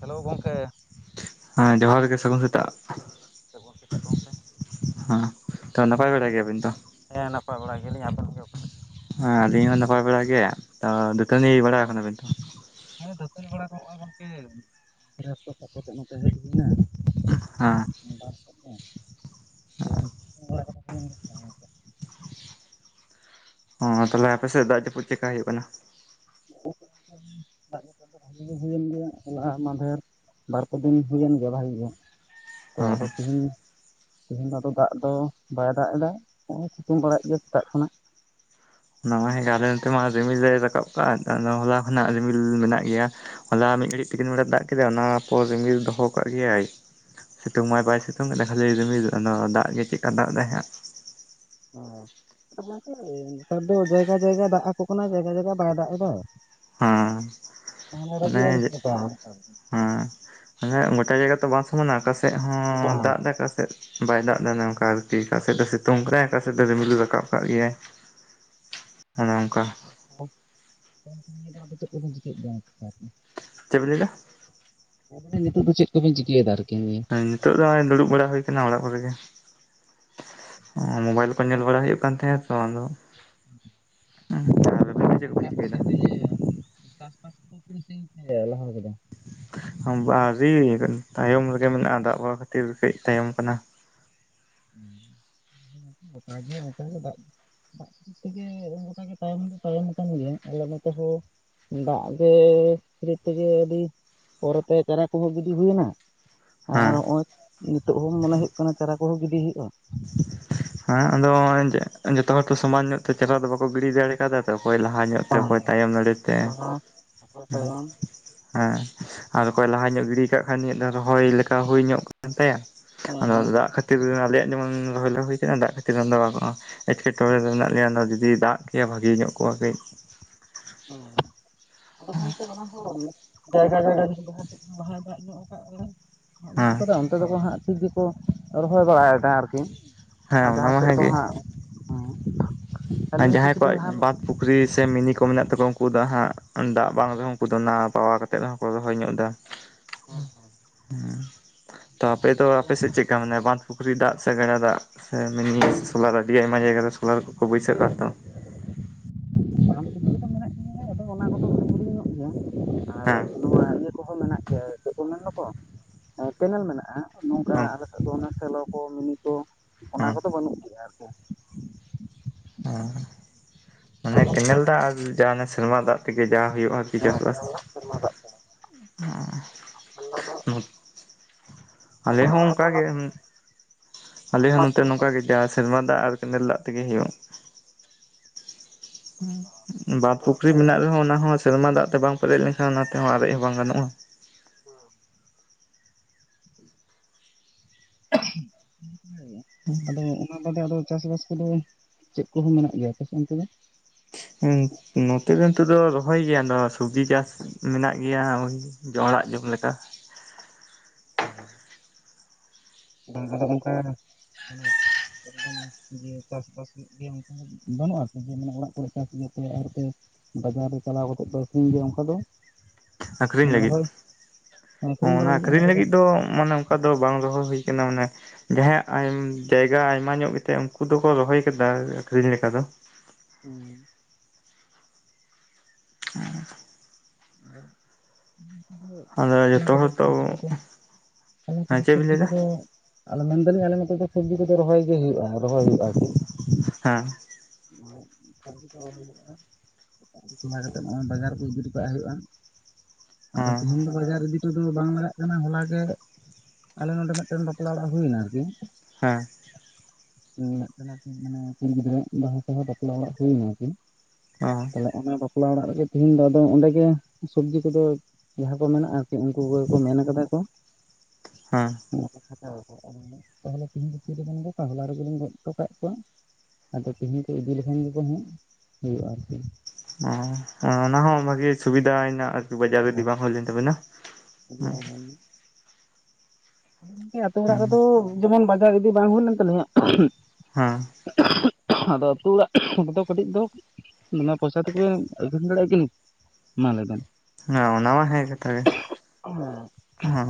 Hello ᱜᱚᱝᱠᱮ ᱾ ᱦᱮᱸ ᱡᱚᱦᱟᱨ ᱜᱮ ᱥᱟᱹᱜᱩᱱ ᱥᱮᱛᱟᱜ᱾ ᱦᱮᱸ ᱛᱚ ᱱᱟᱯᱟᱭ ᱵᱟᱲᱟ ᱜᱮᱭᱟᱵᱮᱱ ᱛᱚ? ᱦᱮᱸ ᱟᱹᱞᱤᱧ ᱦᱚᱸ ᱱᱟᱯᱟᱭ ᱵᱟᱲᱟ ᱜᱮ ᱛᱚ ᱫᱟᱹᱛᱟᱹᱱᱤ ᱵᱟᱲᱟ ᱠᱟᱱᱟᱵᱮᱱ ᱛᱚ? ᱦᱮ ᱫᱟᱹᱛᱟᱹᱱᱤ ᱵᱟᱲᱟ ᱠᱚᱜᱚᱜᱼᱟ ᱜᱚᱝᱠᱮ ᱵᱨᱟᱥ ᱠᱚ ᱥᱟᱵ ᱠᱟᱛᱮᱜ ᱱᱚᱛᱮ ᱦᱮᱡ ᱦᱩᱭ ᱮᱱᱟ᱾ ᱦᱮᱸ ᱟᱨ ᱚ ᱛᱟᱦᱚᱞᱮ ᱟᱯᱮᱥᱮᱫ ᱫᱟᱜ ᱡᱟᱹᱯᱩᱫ ᱪᱮᱠᱟ ᱦᱩᱭᱩᱜ ᱠᱟᱱᱟ? [inaudible] ᱫᱟᱜ ᱡᱟᱯᱩᱫ ᱫᱚ ᱵᱷᱟᱜᱤ ᱜᱮ ᱦᱩᱭᱮᱱ ᱜᱮᱭᱟ ᱦᱚᱞᱟ ᱢᱟᱫᱷᱮᱨ ᱵᱟᱨᱼᱯᱮ ᱫᱤᱱ ᱦᱩᱭᱮᱱ ᱜᱮᱭᱟ ᱵᱷᱟᱜᱤ ᱜᱮ᱾ ᱛᱚ ᱟᱫᱚ ᱦᱮᱸ ᱛᱮᱦᱮᱧ ᱛᱮᱦᱮᱧ ᱫᱚ ᱟᱫᱚ ᱫᱟᱜ ᱫᱚ ᱵᱟᱭ ᱫᱟᱜ ᱮᱫᱟ ᱱᱚ-ᱚᱭ ᱥᱤᱛᱩᱝ ᱵᱟᱲᱟᱭᱮᱫ ᱜᱮᱭᱟ ᱥᱮᱛᱟᱜ ᱠᱷᱚᱱᱟᱜ᱾ ᱱᱚᱼᱚᱭ ᱟᱞᱮ ᱱᱚᱛᱮ ᱢᱟ ᱨᱤᱢᱤᱞ ᱞᱮ ᱨᱟᱠᱟᱵ ᱠᱟᱜᱼᱟ ᱟᱫᱚ ᱦᱚᱞᱟ ᱠᱷᱚᱱᱟᱜ ᱨᱤᱢᱤᱞ ᱢᱮᱱᱟᱜ ᱜᱮᱭᱟ᱾ ᱦᱚᱞᱟ ᱢᱤᱫ ᱜᱷᱟᱹᱲᱤᱡ ᱛᱤᱠᱤᱱ ᱵᱮᱲᱟ ᱫᱟᱜ ᱠᱮᱫᱟ ᱚᱱᱟ ᱯᱚᱨ ᱨᱤᱢᱤᱞ ᱫᱚᱦᱚ ᱠᱟᱜ ᱜᱮᱭᱟ-ᱭ᱾ ᱥᱤᱛᱩᱝ ᱢᱟ ᱵᱟᱭ ᱥᱤᱛᱩᱝ ᱠᱟᱫᱟ ᱠᱷᱟᱹᱞᱤ ᱨᱤᱢᱤᱞ ᱟᱨ ᱱᱚᱣᱟ ᱫᱟᱜ ᱜᱮ ᱪᱮᱫ ᱞᱮᱠᱟ ᱫᱟᱜ ᱮᱫᱼᱟ ᱦᱟᱸ᱾ ᱦ [unintelligible] ᱟᱫᱚ ᱜᱚᱝᱠᱮ ᱱᱮᱛᱟᱨ ᱫᱚ ᱡᱟᱭᱜᱟ ᱡᱟᱭᱜᱟ ᱫᱟᱜ ᱟᱠᱚ ᱠᱟᱱᱟ ᱡᱟᱭᱜᱟ ᱡᱟᱭᱜᱟ ᱵᱟᱭ ᱫᱟᱜ ᱮᱫᱟᱭ᱾ ᱦᱟᱸ ᱢᱟᱱᱮ ᱟᱹᱲᱤᱥ ᱞᱮᱠᱟ ᱦᱟᱸ ᱢᱟᱱᱮ ᱜᱚᱴᱟ ᱡᱟᱭᱜᱟ ᱛᱚ ᱵᱟᱥ ᱚᱱᱟᱠᱟ ᱟᱠᱟ ᱥᱮᱫ ᱦᱚᱸ ᱫᱟᱜ ᱵᱟᱝ ᱫᱟᱭ ᱟᱠᱟ ᱥᱮᱫ ᱵᱟᱭ ᱫᱟᱜ ᱫᱟ ᱚᱱᱮ ᱚᱱᱠᱟ ᱟᱨᱠᱤ ᱟᱠᱟᱥᱮᱫ ᱫᱚ ᱥᱤᱛᱩᱝ ᱠᱟᱫᱟ ᱟᱠᱟᱥᱮᱫ ᱫᱚ ᱨᱤᱢᱤᱞ ᱨᱟᱠᱟᱵ ᱠᱟᱜ ᱜᱮᱭᱟᱭ ᱚᱱᱮ ᱚᱱᱠᱟ᱾ [unintelligible] ᱪᱮ ᱵᱤᱱ ᱞᱟᱭ ᱫᱟ? [unintelligible] ᱱᱤᱛᱚᱜ ᱫᱚ ᱪᱮᱫ ᱠᱚᱵᱮᱱ ᱪᱤᱠᱟᱹᱭ ᱮᱫᱟ ᱟᱨᱠᱤ? ᱱᱤᱛᱚᱜ ᱫᱚ ᱱᱚᱜ-ᱚᱭ ᱫᱩᱲᱩᱵ ᱵᱟᱲᱟ ᱦᱩᱭ ᱟᱠᱟᱱᱟ ᱚᱲᱟᱜ ᱠᱚᱨᱮ ᱜᱮ᱾ ᱦᱚᱸ ᱢᱳᱵᱟᱭᱤᱞ ᱠᱚ ᱧᱮᱞ ᱵᱟᱲᱟ ᱦᱳᱭᱳᱜ ᱠᱟᱱ ᱛᱟᱸᱦᱮᱱᱟ ᱛᱚ ᱟᱫᱚ᱾ ᱦᱮᱸ [unintelligible] ᱦ [unintelligible] ᱚᱱᱠᱟ ᱟᱯᱟᱥᱮᱡ ᱤᱭᱟᱹ ᱪᱟᱥᱵᱟᱥ ᱠᱚᱫᱚ ᱛᱤᱱ ᱥᱟᱹᱜᱤᱧ ᱯᱮ ᱞᱟᱦᱟ ᱠᱟᱫᱟ᱾ ᱦᱟᱸ ᱵᱟ ᱟᱹᱨᱤ ᱛᱟᱭᱚᱢ ᱨᱮᱜᱮ ᱢᱮᱱᱟᱜᱼᱟ ᱫᱟᱜ ᱵᱟ ᱠᱷᱟᱹᱛᱤᱨ ᱠᱟᱹᱡ ᱛᱟᱭᱚᱢ ᱠᱟᱱᱟᱹ ᱾ [inaudible] ᱜᱚᱴᱟ ᱜᱮ ᱚᱱᱠᱟ ᱜᱮ ᱫᱟᱜ ᱫᱟᱜ ᱠᱷᱟᱹᱛᱤᱨ ᱛᱮᱜᱮ ᱜᱚᱴᱟᱜᱮ ᱛᱟᱭᱚᱢ ᱫᱚ ᱛᱟᱭᱚᱢ ᱠᱟᱱ ᱜᱮᱭᱟ ᱟᱞᱮ ᱱᱚᱛᱮ ᱦᱚᱸ᱾ ᱫᱟᱜ ᱜᱮ ᱯᱮᱨᱮᱡ [unintelligible] ᱛᱮᱜᱮ ᱟᱹᱰᱤ ᱯᱚᱨᱮ ᱛᱮ ᱪᱟᱨᱟ ᱠᱚᱦᱚᱸ ᱜᱤᱰᱤ ᱦᱩᱭᱱᱟ᱾ ᱦᱮᱸ ᱱᱤᱛᱚᱜ ᱦᱚᱸ ᱢᱚᱱᱮ ᱦᱳᱭᱳᱜ ᱠᱟᱱᱟ ᱪᱟᱨᱟ ᱠᱚᱦᱚᱸ ᱜᱤᱰᱤ ᱦᱳᱭᱳᱜ-ᱟ ᱦᱮᱸ ᱟᱫᱚ ᱡᱚᱛᱚ ᱦᱚᱲ ᱛᱚ ᱥᱚᱢᱟᱱ ᱧᱚᱜ ᱛᱮ ᱪᱟᱨᱟ ᱫᱚ ᱵᱟᱠᱚ ᱜᱤᱰᱤ ᱫᱟᱲᱮ ᱠᱟᱫᱟ ᱛᱚ ᱚᱠᱚᱭ ᱞᱟᱦᱟ ᱧᱚᱜ ᱛᱮ ᱵᱟᱝ ᱚᱠᱚᱭ ᱛᱟᱭᱚᱢ ᱫᱟᱲᱮᱛᱮ ᱚᱠᱚᱭ ᱞᱟᱦᱟ ᱚᱠᱚᱭ ᱛᱟᱭᱚᱢ ᱦᱮᱸ ᱟᱨ ᱚᱠᱚᱭ ᱞᱟᱦᱟ ᱧᱚᱜ ᱜᱤᱲᱤ ᱠᱟᱜ ᱠᱷᱟᱱ ᱩᱱᱤᱭᱟᱜ ᱫᱚ ᱨᱚᱦᱚᱭ ᱞᱮᱠᱟ ᱦᱳᱭ ᱧᱚᱜ ᱠᱟᱱ ᱛᱟᱭᱟ ᱦᱮᱸ ᱟᱫᱚ ᱦᱮᱸ ᱦᱮᱸ ᱫᱟᱜ ᱠᱷᱟᱹᱛᱤᱨ ᱟᱞᱮᱭᱟᱜ ᱡᱮᱢᱚᱱ ᱨᱚᱦᱚᱭ ᱫᱚ ᱦᱳᱭ ᱠᱟᱱᱟ ᱫᱟᱜ ᱠᱷᱟᱹᱛᱤᱨ ᱫᱚ ᱜᱟᱱᱚᱜ-ᱟ ᱮᱴᱠᱮᱴᱚᱬᱮ ᱨᱮ ᱢᱮᱱᱟᱜ ᱞᱮᱭᱟ ᱚᱱᱟ ᱡᱩᱫᱤ ᱫᱟᱜ ᱠᱮᱭᱟ ᱵᱷᱟᱹᱜᱤ ᱧᱚᱜ ᱠᱚᱜ-ᱟ ᱠᱟᱹᱡ ᱦᱮᱸ᱾ ᱟᱫᱚ ᱜᱚᱝᱠᱮ ᱚᱱᱟ ᱦᱚᱸ ᱡᱟᱭᱜᱟ ᱡᱟᱭᱜᱟ ᱡᱩᱫᱤ ᱡᱟᱸᱦᱟ ᱥᱮᱫ ᱞᱟᱦᱟ ᱫᱟᱜ ᱧᱚᱜ ᱠᱟᱜ ᱞᱮ ᱫᱟᱜ ᱧᱚᱜ ᱦᱮᱸ ᱠᱟᱫᱟ ᱚᱱᱛᱮ ᱫᱚᱠᱚ ᱦᱟᱸᱜ ᱴᱷᱤᱠ ᱜᱮᱠᱚ ᱨᱚᱦᱚᱭ ᱵᱟᱲᱟᱭ ᱫᱟ ᱟᱨᱠᱤ ᱦᱮᱸ ᱟᱨ ᱚᱱᱟ ᱡᱟᱸᱦᱟ ᱢᱟ ᱥᱮᱫ ᱫᱚ ᱦᱮᱸᱜᱮ ᱦᱟᱸᱜ ᱦᱮᱸ ᱟᱨ ᱡᱟᱸᱦᱟᱭ ᱠᱚᱣᱟᱜ ᱵᱟᱸᱫᱽ ᱯᱩᱠᱨᱤ ᱥᱮ ᱢᱤᱱᱤ ᱠᱚ ᱢᱮᱱᱟᱜ ᱛᱟᱠᱚᱣᱟ ᱩᱱᱠᱩ ᱫᱚ ᱦᱟᱸᱜ ᱫᱟᱜ ᱵᱟᱝ ᱨᱮᱦᱚ ᱩᱱᱠᱩ ᱫᱚ ᱱᱟᱣᱟ ᱯᱟᱣᱟ ᱠᱟᱛᱮ ᱨᱮᱦᱚ ᱠᱚ ᱨᱚᱦᱚᱭ ᱧᱚᱜ ᱫᱟ ᱦᱩ ᱛᱚ ᱟᱯᱮ ᱫᱚ ᱟᱯᱮ ᱥᱮᱪ ᱪᱮᱜ ᱪᱮᱠᱟ ᱢᱟᱱᱮ ᱵᱟᱸᱫᱽ ᱯᱩᱠᱷᱨᱤ ᱫᱟᱜ ᱥᱮᱰᱟ ᱫᱟᱜ ᱥᱮ ᱢᱤᱱᱤ ᱥᱮ ᱥᱳᱞᱟᱨ ᱟᱹᱰᱤ ᱟᱭᱢᱟ ᱡᱟᱭᱜᱟ ᱨᱮ ᱥᱳᱞᱟᱨ ᱠᱚᱠᱚ ᱵᱟᱹᱭᱥᱟᱹᱜ ᱠᱟᱛᱚ [inaudible] ᱚᱱᱟ ᱠᱚᱫᱚ ᱦᱩᱰᱤᱧ ᱦᱩᱰᱤᱧ ᱧᱚᱜ ᱜᱮᱭᱟ ᱟᱨ ᱦᱮᱸ ᱱᱚᱣᱟ ᱤᱭᱟᱹ ᱠᱚᱦᱚᱸ ᱢᱮᱱᱟᱜ ᱜᱮᱭᱟ ᱪᱮᱫ ᱠᱚ ᱢᱮᱱ ᱫᱚᱠᱚ ᱠᱮᱱᱮᱞ ᱢᱮᱱᱟᱜ-ᱟ ᱱᱚᱝᱠᱟ ᱦᱮᱸ ᱟᱞᱮ ᱥᱮᱫ ᱟᱫᱚ ᱚᱱᱟᱛᱮ ᱞᱚᱜᱚᱱ ᱫᱚ ᱚᱱᱟ ᱠᱚᱫᱚ ᱦᱮᱸ ᱵᱟᱹᱱᱩᱜ ᱜᱮᱭᱟ ᱟᱨᱠᱤ ᱦᱩᱸ ᱢᱟᱱᱮ ᱠᱮᱱᱮᱞ ᱫᱟᱜ ᱟᱨ ᱡᱟᱦᱟᱸᱭ ᱚᱱᱮ ᱥᱮᱨᱢᱟ ᱫᱟᱜ ᱛᱮᱜᱮ ᱡᱟ ᱦᱳᱭᱳᱜ-ᱟ ᱟᱨᱠᱤ ᱪᱟᱥᱵᱟᱥ ᱥᱮᱨᱢᱟ ᱫᱟᱜ ᱠᱟᱱᱟ ᱵᱟᱝᱠᱷᱟᱱ ᱫᱚ ᱟᱫᱚ ᱟᱞᱮ ᱦᱚᱸ ᱚᱱᱠᱟᱜᱮ ᱟᱞᱮ ᱱᱚᱛᱮ ᱱᱚᱝᱠᱟᱜᱮ ᱡᱟ ᱥᱮᱨᱢᱟ ᱫᱟᱜ ᱟᱨ ᱠᱮᱱᱮᱞ ᱫᱟᱜ ᱛᱮᱜᱮ ᱦᱳᱭᱳᱜ ᱵᱟᱸᱫᱽ ᱯᱩᱠᱷᱨᱤ ᱢᱮᱱᱟᱜ ᱨᱮᱦᱚᱸ ᱚᱱᱟ ᱦᱚᱸ ᱥᱮᱨᱢᱟ ᱫᱟᱜ ᱛᱮ ᱵᱟᱝ ᱯᱮᱨᱮᱡ ᱞᱮᱱᱠᱷᱟᱱ ᱚᱱᱟ ᱛᱮᱦᱚᱸ ᱟᱨᱮᱡ ᱦᱚᱸ ᱵᱟᱝ ᱜᱟᱱᱚᱜ-ᱟ [unintelligible] ᱚᱱᱠᱟ ᱜᱮ ᱟᱫᱚ ᱚᱱᱟ ᱵᱟᱫᱮ ᱟᱫᱚ ᱪᱟᱥᱵᱟᱥ ᱠᱚᱫᱚ ᱪᱮᱫ ᱠᱚᱦᱚᱸ ᱢᱮᱱᱟᱜ ᱜᱮᱭᱟ ᱟᱯᱮᱥᱮᱱ ᱫᱚ ᱦᱩᱸ ᱱᱚᱛᱮ ᱨᱮᱱ ᱠᱚᱫᱚ ᱨᱚᱦᱚᱭ ᱜᱮᱭᱟ ᱱᱚᱣᱟ ᱥᱚᱵᱽᱡᱤ ᱪᱟᱥ ᱢᱮᱱᱟᱜ ᱜᱮᱭᱟ ᱳᱭ ᱡᱚᱲᱟᱜ ᱡᱚᱢ ᱞᱮᱠᱟ ᱚ ᱟᱫᱚ ᱚᱱᱟ ᱫᱚ ᱜᱚᱢᱠᱮ ᱢᱟᱱᱮ ᱮᱠᱫᱚᱢ ᱡᱮ ᱪᱟᱥᱵᱟᱥ ᱦᱩᱭᱩᱜ ᱜᱮᱭᱟ ᱚᱱᱠᱟ ᱫᱚ ᱵᱟᱹᱱᱩᱜ ᱟᱛᱚ ᱡᱮ ᱢᱟᱱᱮ ᱚᱲᱟᱜ ᱠᱚᱨᱮᱜ ᱪᱟᱥ ᱤᱭᱟᱹ ᱛᱮ ᱟᱨ ᱛᱮ ᱵᱟᱡᱟᱨ ᱨᱮ ᱪᱟᱞᱟᱣ ᱠᱟᱛᱮᱫ ᱫᱚ ᱟᱹᱠᱷᱨᱤᱧ ᱜᱮᱭᱟ ᱚᱱᱠᱟ ᱫᱚ ᱟᱠᱷᱨᱤᱧ ᱢᱟᱱᱮ ᱞᱟᱹᱜᱤᱫ ᱨᱚᱦᱚᱭ ᱦᱚᱸ ᱟᱹᱠᱷᱨᱤᱧ ᱚᱱᱟ ᱵᱟᱲᱟ ᱟᱠᱷᱨᱤᱧ ᱠᱚᱫᱚ ᱞᱟᱹᱜᱤᱫ ᱫᱚ ᱢᱟᱱᱮ ᱚᱠᱟ ᱫᱚ ᱵᱟᱝ ᱨᱮᱦᱚᱸ ᱦᱩᱭ ᱠᱟᱱᱟ ᱢᱟᱱᱮ ᱡᱟᱦᱟᱸᱭᱟᱜ ᱡᱟᱭᱜᱟ ᱟᱭᱢᱟ ᱧᱚᱜ ᱜᱮᱛᱮ ᱩᱱᱠᱩ ᱫᱚᱠᱚ ᱨᱚᱦᱚᱭ ᱠᱟᱫᱟ ᱟᱠᱷᱨᱤᱧ ᱞᱮᱠᱟ ᱫᱚ ᱦᱩᱸ [unintelligible] [inaudible] ᱟᱫᱚ ᱚᱱᱟ ᱡᱚᱛᱚ ᱠᱚᱫᱚ ᱦᱚᱲ ᱛᱚ ᱥᱚᱵᱽᱡᱤ ᱠᱚᱫᱚ ᱚᱱᱟ ᱦᱮᱸ ᱠᱚᱫᱚ ᱪᱮᱫ ᱵᱤᱱ ᱞᱟᱹᱭ ᱥᱚᱵᱽᱡᱤ ᱮᱫᱟ ᱠᱚᱫᱚ ᱟᱞᱮ ᱢᱮᱱᱫᱟᱞᱤᱧ ᱟᱞᱮ ᱱᱚᱛᱮ ᱫᱚ ᱥᱚᱵᱽᱡᱤ ᱠᱚᱫᱚ ᱨᱚᱦᱚᱭ ᱜᱮ ᱦᱳᱭᱳᱜ-ᱟ ᱨᱚᱦᱚᱭ ᱦᱳᱭᱳᱜ-ᱟ ᱟᱨᱠᱤ ᱦᱮᱸ ᱟᱨ ᱥᱚᱵᱽᱡᱤ ᱠᱚ ᱦᱩᱭᱩᱜ-ᱟ ᱠᱟᱛᱮ ᱱᱚᱜ-ᱚᱭ ᱵᱟᱡᱟᱨ ᱠᱚ ᱠᱟᱜ ᱦᱳᱭᱳᱜ-ᱟ ᱟᱨᱚ ᱦᱮᱸ ᱛᱤᱦᱤᱧ ᱫᱚ ᱵᱟᱡᱟᱨ ᱤᱫᱤ [unintelligible] ᱫᱚ ᱵᱟᱝ ᱞᱟᱜᱟᱜ ᱠᱟᱱᱟ ᱦᱚᱞᱟ ᱜᱮ ᱟᱞᱮ ᱱᱚᱰᱮ ᱢᱤᱫᱴᱮᱱ ᱵᱟᱯᱞᱟ ᱚᱲᱟᱜ ᱦᱩᱭᱱᱟ ᱟᱨᱠᱤ ᱦᱮᱸ ᱢᱮᱫᱴᱮᱱ ᱟᱨᱠᱤ ᱢᱟᱱᱮ ᱠᱩᱲᱤ ᱜᱤᱫᱽᱨᱟᱹᱟᱜ ᱵᱟᱦᱟ ᱥᱟᱦᱟ ᱵᱟᱯᱞᱟ ᱚᱲᱟᱜ ᱦᱩᱭᱱᱟ ᱟᱨᱠᱤ ᱚ ᱛᱟᱦᱚᱞᱮ ᱚᱱᱟ ᱵᱟᱯᱞᱟ ᱚᱲᱟᱜ ᱨᱮᱜᱮ ᱛᱤᱦᱤᱧ ᱫᱚ ᱟᱫᱚ ᱚᱸᱰᱮ ᱜᱮ ᱥᱚᱵᱽᱡᱤ ᱠᱚᱫᱚ ᱡᱟᱦᱟᱸ ᱠᱚ ᱢᱮᱱᱟᱜ-ᱟ ᱥᱮ ᱩᱱᱠᱩ ᱠᱚᱜᱮ ᱠᱚ ᱢᱮᱱ ᱠᱟᱫᱟ ᱠᱚ ᱦᱮᱸ [inaudible] ᱛᱟᱦᱚᱞᱮ ᱛᱮᱦᱤᱧ [inaudible] ᱦᱚᱞᱟ ᱨᱮᱜᱮ ᱞᱤᱧ ᱜᱚᱫ ᱦᱚᱴᱚ ᱠᱟᱫ ᱠᱚᱣᱟ ᱟᱫᱚ ᱛᱮᱦᱤᱧ ᱠᱚ ᱤᱫᱤ ᱞᱮᱠᱷᱟᱱ ᱜᱮᱠᱚ ᱦᱟᱸᱜ ᱦᱳᱭᱳᱜᱼᱟ ᱟᱨᱠᱤ ᱚ ᱚᱱᱟᱦᱚᱸ ᱵᱷᱟᱜᱤ ᱥᱩᱵᱤᱫᱷᱟᱭᱱᱟ ᱟᱨᱡᱤ ᱵᱟᱡᱟᱨ ᱤᱫᱤ ᱵᱟᱝ ᱦᱳᱭ ᱞᱮᱱ ᱛᱟᱵᱮᱱᱟ [inaudible] [inaudible] ᱟᱛᱳ ᱚᱲᱟᱜ ᱨᱮᱫᱚ ᱡᱮᱢᱚᱱ ᱵᱟᱡᱟᱨ ᱤᱫᱤ ᱵᱟᱝ ᱦᱳᱭ ᱞᱮᱱ ᱛᱟᱞᱤᱧᱟ ᱦᱮᱸ ᱟᱫᱚ ᱟᱹᱛᱩ ᱨᱮᱫᱚ ᱠᱟᱹᱴᱤᱡ ᱫᱚ ᱫᱚᱢᱮ ᱯᱚᱭᱥᱟ ᱛᱮᱠᱚ ᱟᱹᱠᱷᱨᱤᱧ ᱫᱟᱲᱮᱭᱟᱜ ᱟᱠᱤᱱ ᱢᱟ ᱞᱮ ᱵᱮᱱ ᱦᱮᱸ ᱚᱱᱟ ᱢᱟ ᱦᱮᱸ ᱠᱟᱛᱷᱟ ᱜᱮ ᱦᱮᱸ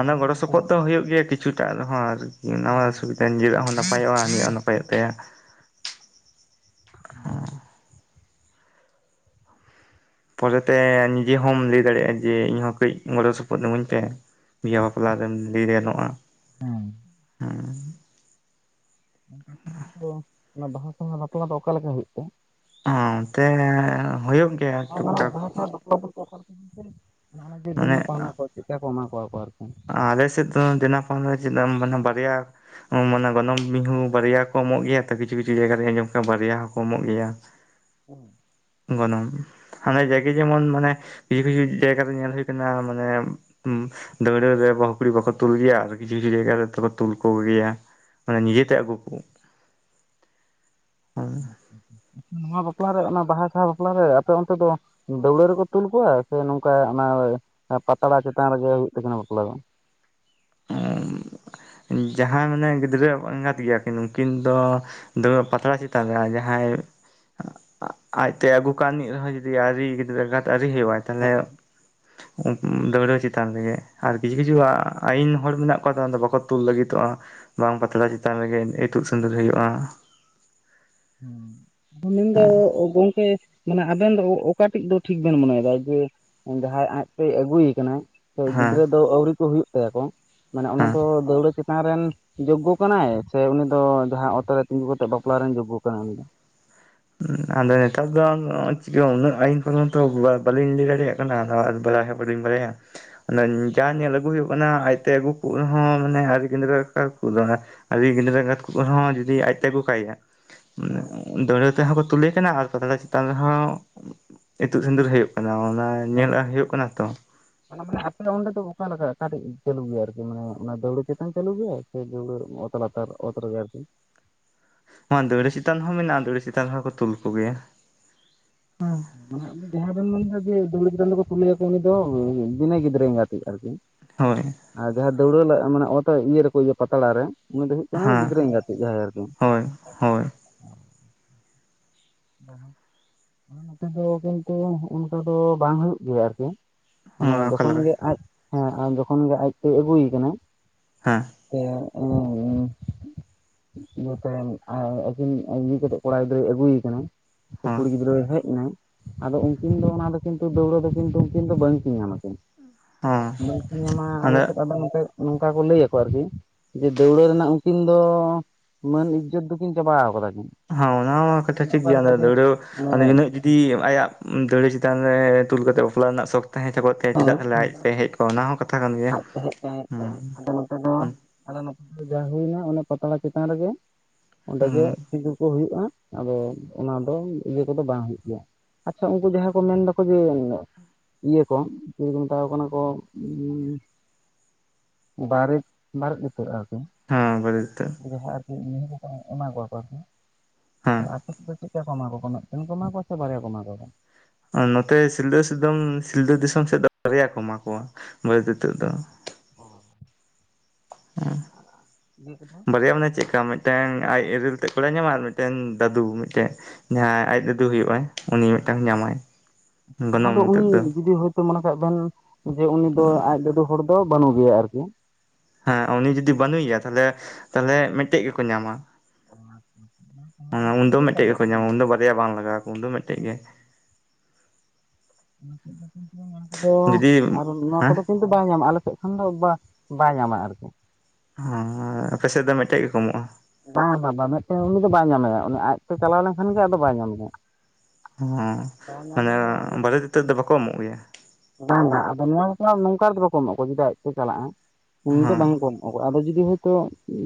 ᱚᱱᱟ ᱜᱚᱲᱚ ᱥᱚᱯᱚᱦᱚᱫ ᱫᱚ ᱦᱳᱭᱳᱜ ᱜᱮᱭᱟ ᱠᱤᱪᱷᱩᱴᱟᱜ ᱨᱮᱦᱚᱸ ᱟᱨᱠᱤ ᱱᱟᱣᱟ [inaudible] ᱱᱟᱯᱟᱭᱚᱜᱼᱟ ᱩᱱᱤᱭᱟᱜ ᱱᱟᱯᱟᱭᱚᱜ ᱛᱟᱭᱟ ᱯᱚᱨᱮᱛᱮ ᱱᱤᱡᱮ ᱦᱚᱢ ᱞᱮ ᱫᱟᱲᱮᱭᱟᱜᱼᱟ ᱡᱮ ᱤᱧᱦᱚᱸ ᱠᱟᱹᱡ ᱜᱚᱲᱚ ᱥᱚᱯᱚᱦᱚᱫ ᱤᱢᱟᱹᱧ ᱯᱮ ᱵᱤᱦᱟᱹ ᱵᱟᱯᱞᱟ ᱨᱮᱢ ᱞᱮ ᱜᱟᱱᱚᱜᱼᱟ ᱦᱩᱸ ᱦᱮᱸ [inaudible] ᱚᱱᱟ ᱵᱟᱦᱟ ᱥᱟᱦᱟ ᱵᱟᱯᱞᱟ ᱫᱚ ᱚᱠᱟ ᱞᱮᱠᱟ ᱦᱳᱭᱳᱜ ᱛᱮ ᱚᱱᱛᱮ ᱦᱳᱭᱳᱜ ᱜᱮᱭᱟ ᱴᱩᱠ ᱴᱟᱠ [inaudible] ᱫᱮᱱᱟ ᱯᱟᱣᱱᱟ ᱠᱚ ᱪᱮᱫᱠᱟ ᱠᱚ ᱮᱢᱟ ᱠᱚᱣᱟ ᱠᱚ ᱟᱨᱠᱤ ᱟᱞᱮᱥ ᱫᱚ ᱫᱮᱱᱟ ᱯᱟᱣᱱᱟ [inaudible] ᱵᱟᱨᱭᱟ ᱢᱟᱱᱮ ᱜᱚᱱᱚᱝ ᱢᱤᱦᱩ ᱵᱟᱨᱭᱟ ᱦᱚᱸ ᱠᱚ ᱮᱢᱚᱜ ᱜᱮᱭᱟ ᱛᱚ ᱠᱤᱪᱷᱩ ᱠᱤᱪᱷᱩ ᱡᱟᱭᱜᱟ ᱨᱮ ᱟᱸᱡᱚᱢ ᱠᱟᱜ-ᱟ‌ ᱵᱟᱨᱭᱟ ᱦᱚᱸᱠᱚ ᱮᱢᱚᱜ ᱜᱮᱭᱟ [unintelligible] [inaudible] ᱜᱚᱱᱚᱝ ᱦᱟᱱᱮ ᱡᱟᱭᱜᱮ ᱡᱮᱢᱚᱱ ᱢᱟᱱᱮ ᱠᱤᱪᱷᱩ ᱠᱤᱪᱷᱩ ᱡᱟᱭᱜᱟ ᱨᱮ ᱧᱮᱞ ᱦᱳᱭ ᱠᱟᱱᱟ ᱢᱟᱱᱮ ᱫᱟᱹᱣᱲᱟᱹ ᱨᱮ ᱵᱟᱦᱩ ᱠᱩᱲᱤ ᱵᱟᱠᱚ ᱛᱩᱞ ᱜᱮᱭᱟ ᱟᱨ ᱠᱤᱪᱷᱩ ᱠᱤᱪᱷᱩ ᱨᱮ ᱡᱟᱭᱜᱟ ᱨᱮᱫᱚᱠᱚ ᱛᱩᱞ ᱠᱚᱜᱮᱭᱟ ᱢᱟᱱᱮ ᱱᱤᱡᱮᱛᱮ ᱟᱹᱜᱩ ᱠᱚ ᱱᱚᱣᱟ ᱵᱟᱯᱞᱟ ᱨᱮ ᱚᱱᱟ ᱵᱟᱦᱟ ᱥᱟᱦᱟ ᱵᱟᱯᱞᱟᱨᱮ ᱟᱯᱮ ᱚᱱᱛᱮ ᱫᱚ ᱫᱟᱹᱣᱲᱟᱹ ᱨᱮᱠᱚ ᱛᱩᱞ ᱠᱚᱣᱟ ᱥᱮ ᱱᱚᱝᱠᱟ ᱚᱱᱟ ᱯᱟᱛᱲᱟ ᱪᱮᱛᱟᱱ ᱨᱮᱜᱮ ᱦᱩᱭᱩᱜ ᱛᱟᱠᱤᱱᱟ ᱵᱟᱯᱞᱟ ᱫᱚ ᱡᱟᱦᱟᱸᱭ ᱢᱟᱱᱮ ᱜᱤᱫᱽᱨᱟᱹ ᱮᱸᱜᱟᱛ ᱜᱮᱭᱟ ᱠᱤᱱ ᱩᱱᱠᱤᱱ ᱫᱚ ᱯᱟᱛᱲᱟ ᱪᱮᱛᱟᱱ ᱨᱮ ᱡᱟᱦᱟᱸᱭ ᱟᱡ ᱛᱮ ᱟᱹᱜᱩ ᱠᱟ ᱱᱤᱡ ᱨᱮᱦᱚᱭ ᱡᱩᱫᱤ ᱟᱣᱨᱤ ᱜᱤᱫᱽᱨᱟᱹ ᱮᱸᱜᱟᱛ ᱟᱣᱨᱤ ᱦᱳᱭᱳᱜᱟᱭ ᱛᱟᱦᱚᱞᱮ ᱫᱟᱹᱣᱲᱟᱹ ᱪᱮᱛᱟᱱ ᱨᱮᱜᱮ ᱟᱨ ᱠᱤᱪᱷᱩ ᱠᱤᱪᱷᱩ ᱟᱭᱭᱤᱱ ᱦᱚᱲ ᱢᱮᱱᱟᱜ ᱠᱚᱣᱟ ᱛᱟᱭᱚᱢ ᱛᱮ ᱵᱟᱠᱚ ᱛᱩᱞ ᱞᱟᱹᱜᱤᱫᱚᱜᱼᱟ ᱵᱟᱝ ᱯᱟᱛᱲᱟ ᱪᱮᱛᱟᱱ ᱨᱮᱜᱮ ᱤᱛᱩᱫ ᱥᱸᱫᱩᱨ ᱦᱩᱭᱩᱜᱼᱟ ᱦᱩᱸ ᱢᱮᱱᱫᱚ ᱜᱚᱝᱠᱮ ᱢᱟᱱᱮ ᱟᱵᱮᱱ ᱫᱚ ᱚᱠᱟᱴᱮᱡ ᱫᱚ ᱴᱷᱤᱠ ᱵᱮᱱ ᱢᱚᱱᱮᱭᱮᱫᱟ ᱡᱮ ᱡᱟᱦᱟᱸᱭ ᱟᱡᱛᱮᱭ ᱟᱹᱜᱩᱭᱮ ᱠᱟᱱᱟᱭ ᱦᱮᱸ ᱜᱤᱫᱽᱨᱟᱹ ᱫᱚ ᱟᱹᱣᱨᱤ ᱠᱚ ᱦᱩᱭᱩᱜ ᱛᱟᱭᱟᱠᱚ ᱢᱟᱱᱮ ᱚᱱᱟ ᱦᱮᱸ ᱫᱚ ᱫᱟᱹᱣᱲᱟᱹ ᱪᱮᱛᱟᱱ᱾ ᱪᱮᱛᱟᱱ ᱨᱮᱱ ᱡᱚᱜᱜᱚ ᱠᱟᱱᱟᱭ ᱥᱮ ᱩᱱᱤ ᱫᱚ ᱡᱟᱦᱟᱸ ᱚᱛᱚᱨ ᱨᱮ ᱛᱤᱸᱜᱩ ᱠᱟᱛᱮ ᱵᱟᱯᱞᱟ ᱨᱮᱱ ᱡᱚᱜᱜᱳ ᱠᱟᱱᱟᱭ ᱩᱱᱤ ᱫᱚ ᱟᱫᱚ ᱱᱤᱛ ᱩᱱᱟᱹᱜ ᱟᱭᱤᱱ ᱠᱚ ᱢᱟᱛᱚ ᱵᱟᱞᱤᱧ ᱞᱟ ᱹᱭ ᱫᱟᱲᱮᱭᱟᱜ ᱠᱟᱱᱟ ᱟᱨ ᱵᱟᱲᱟᱭ ᱦᱚᱸ ᱵᱟᱞᱤᱧ ᱵᱟᱲᱟᱭᱼᱟ ᱡᱟ ᱧᱮᱞ ᱟᱹᱜᱩ ᱦᱩᱭᱩᱜ ᱠᱟᱱᱟ ᱟᱡᱛᱮ ᱟᱹᱜᱩ ᱠᱚ ᱨᱮᱦᱚᱸ ᱢᱟᱱᱮ ᱟᱹᱰᱤ ᱜᱮ ᱟᱹᱣᱨᱤ ᱜᱤᱫᱽᱨᱟᱹ ᱮᱸᱜᱟᱛ ᱠᱚᱜ ᱨᱮᱦᱚᱸ ᱡᱩᱫᱤ ᱟᱡᱛᱮ ᱟᱹᱜᱩ ᱠᱟᱭᱟ᱾ ᱛᱮᱦᱚᱸ ᱠᱚ ᱛᱩᱞᱮᱹ ᱠᱟᱱᱟ ᱟᱨ ᱯᱟᱛᱲᱟ ᱪᱮᱛᱟᱱ ᱨᱮᱦᱚᱸ ᱤᱛᱩᱫ ᱥᱤᱸᱫᱩᱨ ᱦᱩᱭᱩᱜ ᱠᱟᱱᱟ ᱦᱮᱸ᱾ ᱧᱮᱞᱟᱜ ᱦᱳᱭᱳᱜ ᱠᱟᱱᱟ ᱛᱚ ᱚᱱᱟ ᱢᱟᱱᱮ ᱟᱯᱮ ᱫᱚ ᱚᱸᱰᱮ ᱫᱚ ᱚᱠᱟ ᱞᱮᱠᱟ ᱚᱴᱤᱡ ᱪᱟᱹᱞᱩ ᱜᱮᱭᱟ ᱟᱨᱠᱤ ᱢᱟᱱᱮ ᱚᱱᱟ ᱫᱟᱹᱣᱲᱟ ᱪᱮᱛᱟᱱ ᱪᱟᱹᱞᱩ ᱜᱮ ᱚᱛ ᱞᱟᱛᱟᱨ ᱚᱛ ᱨᱮᱜᱮ ᱟᱨᱠᱤ ᱦᱮᱸ ᱫᱟᱹᱣᱲᱟᱹ ᱪᱮᱛᱟᱱ ᱦᱚᱸ ᱢᱮᱱᱟᱜᱼᱟ ᱫᱟᱹᱣᱲᱟᱹ ᱪᱮᱛᱟᱱ ᱨᱮ ᱦᱚᱸᱠᱚ ᱛᱩᱞ ᱠᱚᱜᱮᱭᱟ᱾ ᱢᱟᱱᱮ ᱡᱟᱦᱟᱸ ᱵᱮᱱ ᱢᱮᱱᱫᱟ ᱡᱮ ᱫᱟᱹᱣᱲᱟᱹ ᱪᱮᱛᱟᱱ ᱛᱮᱠᱚ ᱛᱩᱞᱮᱭᱟ ᱠᱚ ᱩᱱᱤ ᱫᱚ ᱵᱤᱱᱟᱹ ᱜᱤᱫᱽᱨᱟᱹ ᱮᱸᱜᱟᱛᱤᱡ ᱟᱨᱠᱤ ᱦᱳᱭ ᱟᱨ ᱡᱟᱦᱟᱸᱭ ᱫᱟᱹᱣᱲᱟᱹ ᱤᱭᱟᱹ ᱨᱮᱠᱚ ᱯᱟᱛᱲᱟ ᱨᱮ ᱩᱱᱤ ᱫᱚ ᱦᱩᱭᱩᱜ ᱠᱟᱱᱟᱭ ᱦᱮᱸ ᱜᱤᱫᱽᱨᱟᱹ ᱮᱜᱟᱸᱛᱤᱡ ᱡᱟᱦᱟᱸᱭ ᱟᱨᱠᱤ ᱦᱳᱭ ᱦᱳᱭ ᱚᱱᱟ ᱱᱚᱛᱮ ᱫᱚ ᱠᱤᱱᱛᱩ ᱚᱱᱠᱟ ᱫᱚ ᱵᱟᱝ ᱦᱩᱭᱩᱜ ᱜᱮᱭᱟ ᱟᱨᱠᱤ ᱢᱟᱱᱮ ᱚᱠᱟ ᱡᱚᱠᱷᱚᱱ ᱞᱮᱠᱟ ᱜᱮ ᱟᱡ ᱦᱮᱸ ᱡᱚᱠᱷᱚᱱ ᱜᱮ ᱟᱡᱛᱮᱭ ᱟᱹᱜᱩᱭᱮ ᱠᱟᱱᱟ ᱦᱮᱸ ᱥᱮ [unintelligible] ᱡᱟᱛᱮ ᱟᱹᱠᱤᱱ ᱤᱭᱟᱹ ᱠᱟᱛᱮᱫ ᱠᱚᱲᱟ ᱜᱤᱫᱽᱨᱟᱹᱭ ᱟᱹᱜᱩᱭᱮ ᱠᱟᱱᱟ ᱦᱳᱭ ᱠᱩᱲᱤ ᱜᱤᱫᱽᱨᱟᱹᱭ ᱦᱮᱡ ᱱᱟᱭ ᱟᱫᱚ ᱩᱱᱠᱤᱱ ᱫᱚ ᱚᱱᱟᱫᱚ ᱠᱤᱱᱛᱩ ᱫᱟᱹᱣᱲᱟᱹ ᱫᱚ ᱠᱤᱱᱛᱩ ᱩᱱᱠᱤᱱ ᱫᱚ ᱵᱟᱝᱠᱤᱱ ᱧᱟᱢᱟᱠᱤᱱ ᱦᱚᱸ ᱵᱟᱝ ᱠᱤᱱ ᱧᱟᱢᱟ ᱟᱞᱮ ᱥᱮᱫ ᱟᱫᱚ ᱱᱚᱝᱠᱟ ᱠᱚ ᱞᱟᱹᱭ ᱟᱠᱚ ᱟᱨᱠᱤ ᱡᱮ ᱫᱟᱹᱣᱲᱟᱹ ᱨᱮᱱᱟᱜ ᱩᱱᱠᱤᱱ ᱫᱚ ᱢᱟᱹᱱ ᱤᱡᱽᱡᱚᱛ ᱫᱚᱠᱤᱱ ᱪᱟᱵᱟᱣ ᱠᱟᱫᱟ ᱠᱤᱱ ᱦᱮᱸ ᱚᱱᱟ ᱢᱟ ᱠᱟᱛᱷᱟ ᱴᱷᱤᱠ ᱚᱠᱟ ᱜᱮᱭᱟ ᱟᱫᱚ ᱞᱮᱠᱟ ᱡᱮ ᱫᱟᱹᱣᱲᱟᱹ ᱚᱱᱮ ᱟᱭᱟᱜ ᱫᱟᱹᱣᱲᱟᱹ ᱪᱮᱛᱟᱱ ᱨᱮ ᱛᱩᱞ ᱠᱟᱛᱮᱫ ᱵᱟᱯᱞᱟ ᱨᱮᱱᱟᱜ ᱥᱚᱠ ᱛᱟᱦᱮᱸ ᱠᱚᱜ ᱛᱟᱭᱟ ᱪᱮᱫᱟᱜ ᱛᱟᱦᱞᱮ ᱟᱡ ᱦᱮᱡ ᱠᱚᱜᱼᱟ ᱚᱱᱟ ᱦᱚᱸ ᱠᱟᱛᱷᱟ ᱠᱟᱱ ᱜᱮᱭᱟ ᱛᱟᱦᱮ ᱠᱚᱜᱼᱟᱭ ᱦᱮᱸ ᱟᱫᱚ ᱱᱚᱛᱮ ᱫᱚ ᱟᱞᱮ ᱱᱚᱛᱮ ᱡᱟ ᱦᱩᱭᱱᱟ ᱚᱱᱟ ᱯᱟᱛᱲᱟ ᱪᱮᱛᱟᱱ ᱨᱮᱜᱮ ᱚᱸᱰᱮ ᱜᱮ ᱥᱤᱸᱫᱩᱨ ᱠᱚ ᱦᱩᱭᱩᱜᱼᱟ ᱟᱫᱚ ᱚᱱᱟ ᱫᱚ ᱤᱭᱟᱹ ᱠᱚᱫᱚ ᱵᱟᱝ ᱦᱩᱭᱩᱜ ᱜᱮᱭᱟ ᱾ ᱟᱪᱪᱷᱟ ᱩᱱᱠᱩ ᱡᱟᱦᱟᱸ ᱠᱚ ᱢᱮᱱ ᱫᱚᱠᱚ ᱡᱮ ᱤᱭᱟᱹ ᱠᱚ ᱪᱤᱞᱤ ᱠᱚ ᱢᱮᱛᱟ ᱠᱚ ᱠᱟᱱᱟ ᱠᱚ ᱵᱟᱨᱮ ᱵᱟᱨᱮᱫ ᱤᱛᱟᱹᱫ ᱟᱨᱠᱤ ᱦᱮᱸ ᱵᱟᱨᱮᱫ ᱤᱛᱟᱹᱫ [unintelligible] ᱮᱢᱟ ᱠᱚᱣᱟ ᱠᱚ ᱟᱨᱠᱤ, ᱦᱮᱸ ᱛᱟᱦᱞᱮ ᱟᱠᱤᱱ ᱫᱚ ᱪᱮᱫ ᱠᱟ ᱠᱚ ᱮᱢᱟ ᱠᱚ ᱠᱟᱱᱟ ᱢᱮᱫᱴᱟᱱ ᱠᱚ ᱮᱢᱟ ᱠᱚᱣᱟ ᱥᱮ ᱵᱟᱨᱭᱟ ᱠᱚ ᱮᱢᱟ ᱠᱚ ᱠᱟᱱᱟ? ᱟᱨ ᱱᱚᱛᱮ ᱥᱤᱞᱫᱟᱹ ᱥᱤᱫᱚᱢ ᱥᱤᱞᱫᱟᱹ ᱫᱤᱥᱚᱢ ᱥᱮᱫ ᱫᱚ ᱵᱟᱨᱭᱟ ᱠᱚ ᱮᱢᱟ ᱠᱚᱣᱟ ᱵᱟᱨᱮᱫ ᱤᱛᱟᱹᱫ ᱫᱚ ᱚᱻ ᱦᱮᱸ ᱵᱟᱨᱭᱟ ᱢᱟᱱᱮ ᱪᱮᱜᱠᱟ ᱢᱤᱫᱴᱮᱝ ᱟᱡ ᱮᱨᱮᱞ ᱛᱮᱫ ᱠᱚᱲᱟᱭ ᱧᱟᱢᱟ ᱟᱨ ᱢᱤᱫᱴᱮᱝ ᱫᱟᱫᱩ ᱢᱤᱫᱴᱮᱱ ᱡᱟᱦᱟᱸᱭ ᱟᱡ ᱫᱟᱫᱩ ᱦᱩᱭᱩᱜ ᱟᱭ ᱩᱱᱤ ᱢᱤᱫᱴᱟᱝ ᱧᱟᱢᱟᱭ ᱚᱱᱟ ᱜᱚᱱᱚᱝ ᱤᱛᱟᱹᱫ ᱫᱚ ᱩᱱᱤ ᱡᱩᱫᱤ ᱦᱳᱭᱛᱳ ᱢᱚᱱᱮ ᱠᱟᱜ ᱵᱮᱱ ᱡᱮ ᱩᱱᱤ ᱫᱚ ᱟᱡ ᱫᱟᱹᱫᱩ ᱦᱚᱲ ᱫᱚ ᱵᱟᱹᱱᱩᱜ ᱜᱮᱭᱟ ᱟᱨᱠᱤ ᱦᱮᱸ ᱩᱱᱤ ᱡᱩᱫᱤ ᱵᱟᱱᱩᱭᱟ ᱛᱟᱦᱚᱞᱮ ᱛᱟᱦᱚᱞᱮ ᱢᱤᱫᱴᱮᱡ ᱜᱮᱠᱚ ᱧᱟᱢᱟ ᱚ ᱟᱪᱪᱷᱟ [unintelligible] ᱩᱱᱫᱚ ᱢᱤᱫᱴᱮᱡ ᱜᱮᱠᱚ ᱧᱟᱢᱟ ᱩᱱ ᱫᱚ ᱵᱟᱨᱭᱟ ᱵᱟᱝ ᱞᱟᱜᱟᱣ ᱠᱚᱣᱟ ᱩᱱᱫᱚ ᱢᱤᱫᱴᱮᱡ ᱜᱮ [unintelligible] ᱱᱚᱣᱟ ᱠᱚ ᱫᱚ ᱡᱩᱫᱤ ᱟᱨ ᱱᱚᱣᱟ ᱦᱮᱸ ᱠᱚᱫᱚ ᱠᱤᱱ- -ᱛᱩ ᱵᱟᱭ ᱧᱟᱢᱟ ᱟᱞᱮ ᱥᱮᱫ ᱠᱷᱚᱱ ᱫᱚ ᱵᱟ ᱵᱟᱭ ᱧᱟᱢᱟ ᱟᱨᱠᱤ᱾ ᱦᱮᱸ ᱦᱮ ᱟᱯᱮ ᱥᱮᱫ ᱫᱚ ᱢᱤᱫᱴᱮᱡ ᱜᱮ ᱠᱚ ᱮᱢᱚᱜᱼᱟ᱾ ᱵᱟ ᱵᱟ ᱵᱟ ᱵᱟ ᱢᱤᱫᱴᱮᱱ ᱩᱱᱤ ᱫᱚ ᱵᱟᱭ ᱧᱟᱢᱮᱭᱟ ᱩᱱᱤ ᱟᱡ ᱛᱮ ᱪᱟᱞᱟᱣ ᱞᱮᱱᱠᱷᱟᱱ ᱜᱮ ᱟᱫᱚ ᱵᱟᱭ ᱧᱟᱢᱮᱭᱟ᱾ ᱦᱩ ᱵᱟᱭ ᱢᱟᱱᱮ ᱧᱟᱢᱮᱭᱟ ᱱᱚᱣᱟ ᱫᱚ ᱵᱟᱨᱮᱛ ᱤᱛᱟᱹᱫ ᱫᱚ ᱵᱟᱠᱚ ᱮᱢᱚᱜ ᱜᱮᱭᱟ? ᱵᱟᱝ ᱵᱟ ᱟᱫᱚ ᱱᱚᱣᱟ ᱠᱚ ᱱᱚᱝᱠᱟ ᱨᱮᱫᱚ ᱵᱟᱠᱚ ᱮᱢᱚ ᱟᱠᱚ ᱡᱩᱫᱤ ᱟᱡ ᱛᱮ ᱪᱟᱞᱟᱜᱼᱟ ᱩᱱ ᱫᱚ ᱦᱮᱸ ᱵᱟᱝ ᱠᱚ ᱮᱢᱚᱜᱼᱟ᱾ ᱟᱫᱚ ᱡᱩᱫᱤ ᱦᱳᱭᱛᱳ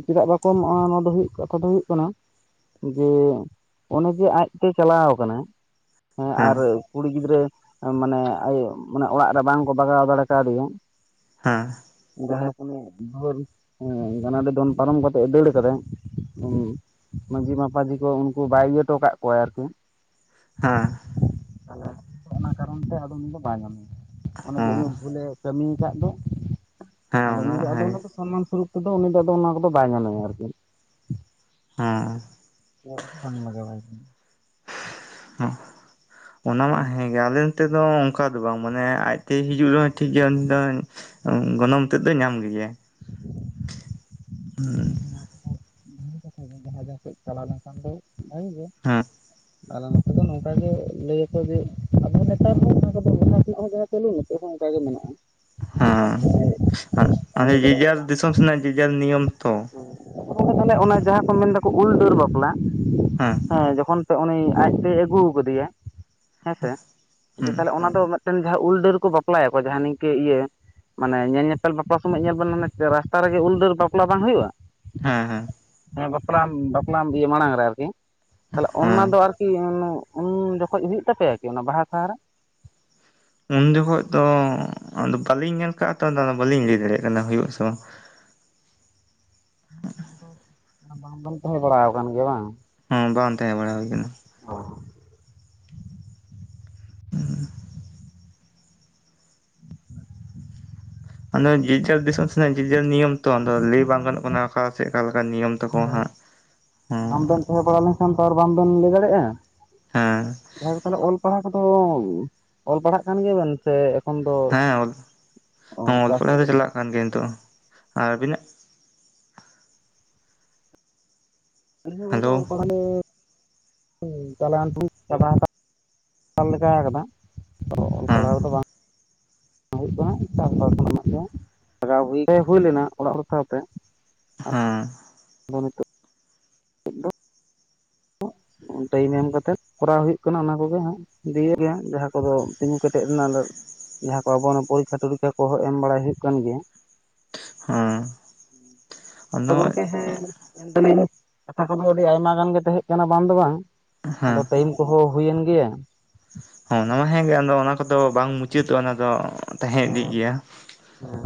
ᱪᱮᱫᱟᱜ ᱵᱟᱠᱚ ᱮᱢᱚᱜᱼᱟ? ᱦᱩᱭᱩᱜ ᱠᱟᱛᱷᱟ ᱫᱚ ᱦᱩᱭᱩᱜ ᱠᱟᱱᱟ ᱡᱮ ᱚᱱᱮ ᱡᱮ ᱟᱡᱛᱮᱭ ᱪᱟᱞᱟᱣ ᱟᱠᱟᱱᱟ᱾ ᱦᱮᱸ ᱟᱨ ᱠᱩᱲᱤ ᱜᱤᱫᱽᱨᱟᱹ ᱢᱟᱱᱮ ᱟᱡ ᱢᱟᱱᱮ ᱚᱲᱟᱜ ᱨᱮ ᱵᱟᱝᱠᱚ ᱵᱟᱜᱟᱣ ᱫᱟᱲᱮ ᱠᱟᱣᱫᱮᱭᱟ᱾ ᱦᱮᱸ ᱡᱟᱭ ᱦᱳᱠ ᱩᱱᱤ [unintelligible] ᱜᱟᱱᱟᱰᱮ ᱫᱚᱱ ᱯᱟᱨᱚᱢ ᱠᱟᱛᱮᱜ-ᱮ ᱫᱟᱹᱲ ᱟᱠᱟᱫᱟ ᱢᱟᱺᱡᱷᱤ ᱢᱟᱯᱟᱡᱷᱤ ᱠᱚ ᱩᱱᱠᱩ ᱵᱟᱭ ᱤᱭᱟᱹ ᱦᱚᱴᱚᱣ ᱠᱟᱜ ᱠᱚᱣᱟ ᱟᱨᱠᱤ᱾ ᱦᱮᱸ ᱚᱱᱟ ᱠᱟᱨᱚᱱ ᱛᱮ ᱟᱫᱚ ᱩᱱᱤ ᱫᱚ ᱵᱟᱭ ᱧᱟᱢᱮᱭᱟ ᱚᱱᱮ‌ ᱡᱮ ᱦᱮᱸ ᱩᱱᱤ ᱵᱷᱩᱞᱮ ᱠᱟᱹᱢᱤ ᱟᱠᱟᱫ ᱫᱚ ᱦᱮᱸ ᱟᱫᱚ ᱩᱱᱤ ᱫᱚ ᱟᱫᱚ ᱦᱮᱸ ᱚᱱᱟ ᱫᱚ ᱥᱚᱱᱢᱟᱱ ᱥᱚᱨᱩᱯ᱾ ᱛᱮ ᱫᱚ ᱩᱱᱤ ᱫᱚ ᱚᱱᱟ ᱠᱚᱫᱚ ᱵᱟᱭ ᱧᱟᱢᱮᱭᱟ ᱟᱨᱠᱤ᱾ ᱦᱮᱸ [unintelligible] ᱠᱚᱫᱚ ᱵᱟᱝ ᱞᱟᱜᱟᱣᱟᱭ ᱠᱟᱱᱟ᱾ ᱚᱱᱟ ᱢᱟ ᱦᱮᱸᱜᱮ ᱟᱞᱮ ᱱᱚᱛᱮ ᱫᱚ ᱚᱱᱠᱟ ᱫᱚ ᱵᱟᱝ ᱢᱟᱱᱮ ᱟᱡᱛᱮᱭ ᱦᱤᱡᱩᱜ ᱨᱮᱦᱚᱸ ᱴᱷᱤᱠ ᱜᱮᱭᱟ ᱩᱱᱤ ᱫᱚ ᱜᱚᱱᱚᱝ ᱛᱮᱫ ᱫᱚᱭ ᱧᱟᱢ ᱜᱮᱭᱟᱭ᱾ ᱦᱩᱸ᱾ [inaudible] ᱥᱮᱫ ᱪᱟᱞᱟᱣ ᱞᱮᱱᱠᱷᱟᱱ ᱫᱚ ᱵᱷᱟᱜᱮ ᱜᱮ ᱦᱮᱸ ᱟᱞᱮ‌ ᱱᱚᱛᱮ ᱫᱚ ᱱᱚᱝᱠᱟ ᱜᱮ ᱞᱟᱹᱭ ᱟᱠᱚ ᱡᱮ ᱟᱵᱚ ᱱᱮᱛᱟᱨ ᱦᱚᱸ ᱚᱱᱟ ᱠᱚᱫᱚ [inaudible] ᱦᱚᱸ ᱯᱟᱞᱮ ᱱᱤᱛᱚᱜ ᱦᱚᱸ ᱚᱱᱠᱟ ᱜᱮ ᱢᱮᱱᱟᱜᱼᱟ᱾ ᱦᱮᱸ ᱟᱨ ᱟᱨᱮ ᱠᱚᱫᱚ ᱡᱮᱡᱟᱨ ᱫᱤᱥᱚᱢ ᱥᱮᱱᱟᱜ ᱡᱮᱡᱟᱨ ᱱᱤᱭᱚᱢ᱾ ᱛᱚ [inaudible] ᱛᱟᱦᱚᱞᱮ ᱚᱱᱟ ᱡᱟᱦᱟᱸ ᱠᱚ ᱢᱮᱱᱫᱟᱠᱚ ᱩᱞ ᱰᱟᱹᱨ ᱵᱟᱯᱞᱟ ᱦᱮᱸ ᱦᱮᱸ ᱡᱚᱠᱷᱚᱱ ᱛᱚ ᱩᱱᱤ ᱟᱡᱛᱮᱭ ᱟᱹᱜᱩ ᱠᱟᱫᱮᱭᱟ ᱦᱮᱸᱥᱮ ᱾ ᱡᱮ ᱦᱮᱸ ᱛᱟᱦᱚᱞᱮ ᱚᱱᱟ ᱫᱚ ᱡᱟᱦᱟᱸ ᱩᱞ ᱰᱟᱹᱨ ᱠᱚ ᱵᱟᱯᱞᱟᱭᱟᱠᱚ ᱡᱟᱦᱟᱸ ᱱᱤᱝᱠᱟᱹ ᱤᱭᱟᱹ ᱢᱟᱱᱮ ᱧᱮᱞ ᱧᱮᱯᱮᱞ ᱵᱟᱯᱞᱟ ᱥᱚᱢᱚᱭ ᱧᱮᱞ ᱵᱮᱱ ᱢᱟᱱᱮ ᱨᱟᱥᱛᱟ ᱨᱮᱜᱮ ᱩᱞ ᱰᱟᱹᱨ ᱵᱟᱯᱞᱟ ᱵᱟᱝ ᱦᱩᱭᱩᱜᱼᱟ ᱦᱮᱸ ᱦᱮᱸ ᱦᱮᱸ ᱵᱟᱯᱞᱟ ᱵᱟᱯᱞᱟ ᱤᱭᱟᱹ ᱢᱟᱲᱟᱝ ᱨᱮ ᱟᱨᱠᱤ ᱾ ᱛᱟᱦᱚᱞᱮ ᱚᱱᱟ ᱦᱮᱸ ᱫᱚ ᱟᱨᱠᱤ ᱠᱤ ᱩᱱ ᱩᱱ ᱡᱚᱠᱷᱚᱡ ᱦᱩᱭᱩᱜ ᱛᱟᱯᱮᱭᱟ ᱠᱤ ᱚᱱᱟ ᱵᱟᱦᱟ ᱥᱟᱦᱟᱨᱮ? ᱩᱱ ᱡᱚᱠᱷᱚᱡ ᱫᱚ ᱟᱫᱚ ᱵᱟᱹᱞᱤᱧ ᱧᱮᱞ ᱟᱠᱟᱜᱼᱟ ᱛᱚ ᱵᱟᱹᱞᱤᱧ ᱞᱟᱹᱭ ᱫᱟᱲᱮᱭᱟᱜ ᱠᱟᱱᱟ ᱦᱩᱭᱩᱜ ᱥᱮ ᱵᱟᱝ᱾ [inaudible] ᱵᱟᱝ ᱛᱟᱦᱮᱸ ᱵᱟᱲᱟ ᱟᱠᱟᱱ ᱜᱮᱭᱟ ᱵᱟᱝ? ᱦᱮᱸ ᱵᱟᱝ ᱛᱟᱦᱮᱸ ᱵᱟᱲᱟ ᱦᱩᱭ ᱟᱠᱟᱱᱟ᱾ [unintelligible] ᱦᱩᱸ ᱟᱫᱚ ᱡᱮᱡᱟᱨᱼ ᱼᱡᱟᱨ ᱫᱤᱥᱳᱢ ᱥᱮᱱᱟᱜ ᱡᱮ ᱡᱟᱨ ᱱᱤᱭᱚᱢ ᱛᱚ ᱟᱫᱚ ᱞᱟᱹᱭ ᱵᱟᱝ ᱜᱟᱱᱚᱜ ᱠᱟᱱᱟ ᱚᱠᱟ ᱥᱮ ᱚᱠᱟ ᱞᱮᱠᱟ ᱱᱤᱭᱚᱢ ᱛᱟᱠᱚ ᱦᱟᱸᱜ᱾ ᱦᱚᱸ [inaudible] ᱞᱮᱱᱠᱷᱟᱱ ᱛᱚ ᱟᱨ ᱵᱟᱝ ᱵᱮᱱ ᱞᱟᱹᱭ ᱫᱟᱲᱮᱭᱟᱜᱼᱟ ᱦᱮᱸ ᱾ ᱡᱟᱦᱟᱭ ᱠᱚ ᱛᱟᱦᱚᱞᱮ ᱯᱟᱲᱦᱟᱣ ᱠᱚᱫᱚ ᱚᱞ ᱯᱟᱲᱦᱟᱜ ᱠᱟᱱ ᱜᱮᱭᱟ ᱵᱮᱱ ᱥᱮ? ᱮᱠᱷᱚᱱ ᱫᱚ ᱦᱮᱸ ᱚᱞ ᱚᱞ ᱪᱟᱥ ᱯᱟᱲᱦᱟᱣ ᱫᱚ ᱨᱮᱜᱮ ᱪᱟᱞᱟᱜ ᱠᱟᱱ ᱜᱮᱭᱟ ᱱᱤᱛᱚᱜ ᱦᱚᱸ ᱾ ᱟᱨ ᱟᱹᱵᱤᱱᱟᱜ? ᱟᱹᱞᱤᱧ ᱦᱚᱸ ᱜᱚᱝᱠᱮ ᱦᱮᱞᱳ ᱚᱞᱯᱟᱲᱦᱟᱣ ᱫᱚ ᱪᱟᱞᱟᱱ [inaudible] ᱪᱟᱵᱟᱣ ᱞᱮᱠᱟ ᱟᱠᱟᱫᱟ ᱱᱤᱛᱚᱜ ᱫᱚ ᱚᱞ ᱯᱟᱲᱦᱟᱣ ᱠᱚ ᱫᱚ ᱵᱟᱝ [inaudible] ᱦᱩᱭᱩᱜ ᱠᱟᱱᱟ ᱪᱟᱥ ᱠᱚᱨᱮᱱᱟᱜ ᱜᱮ ᱞᱟᱜᱟᱣ ᱦᱩᱭ, ᱦᱩᱭ ᱞᱮᱱᱟ ᱚᱲᱟᱜ ᱦᱚᱲ ᱥᱟᱶᱛᱮ᱾ ᱦᱮᱸ ᱟᱫᱚ ᱱᱤᱛᱚᱜ ᱴᱟᱭᱤᱢ ᱮᱢ ᱠᱟᱛᱮᱜ ᱠᱚᱨᱟᱣ ᱦᱩᱭᱩᱜ ᱠᱟᱱᱟ ᱚᱱᱟ ᱠᱚᱜᱮ ᱦᱟᱸᱜ ᱫᱤᱭᱟᱹᱜ ᱜᱮ ᱡᱟᱦᱟᱸ ᱠᱚᱫᱚ ᱛᱤᱜᱩ ᱠᱮᱴᱮᱡ ᱨᱮᱱᱟᱜ ᱡᱟᱦᱟᱸ ᱠᱚ ᱟᱵᱚ ᱱᱚᱣᱟ ᱯᱚᱨᱤᱠᱠᱷᱟ ᱴᱚᱨᱤᱠᱠᱷᱟ ᱠᱚᱦᱚᱸ ᱮᱢ ᱵᱟᱲᱟᱭ ᱦᱩᱭᱩᱜ ᱠᱟᱱ ᱜᱮᱭᱟ ᱦᱮᱸ ᱟᱫᱚ ᱜᱚᱝᱠᱮ ᱦᱮᱸ ᱢᱮᱱ ᱫᱟᱹᱞᱤᱱ ᱠᱟᱛᱷᱟ ᱠᱚᱫᱚ ᱟᱹᱰᱤ ᱟᱭᱢᱟ ᱜᱟᱱ ᱜᱮ ᱛᱟᱦᱮᱸ ᱠᱟᱱᱟ ᱵᱟᱝ ᱫᱚ ᱵᱟᱝ ᱟᱫᱚ ᱦᱮᱸ ᱴᱟᱹᱭᱤᱢ ᱠᱚᱦᱚᱸ ᱦᱩᱭᱮᱱ ᱜᱮᱭᱟ ᱦᱚᱸ ᱚᱱᱟ ᱢᱟ ᱦᱮᱸᱜᱮ ᱟᱫᱚ ᱚᱱᱟ ᱠᱚᱫᱚ ᱵᱟᱝ ᱢᱩᱪᱟᱹᱫᱚᱜᱼᱟ ᱚᱱᱟ ᱫᱚ ᱛᱟᱦᱮᱸ ᱤᱫᱤᱜ ᱦᱮᱸ ᱜᱮᱭᱟ ᱾ ᱦᱮᱸ